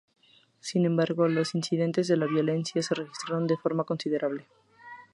Sin embargo, los incidentes de violencia se registraron de forma considerable.